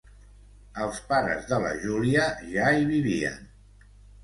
Els pares de la Júlia ja hi vivien.